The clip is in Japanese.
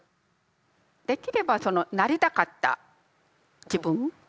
できればその「なりたかった自分」。